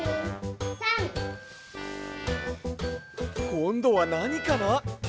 こんどはなにかな？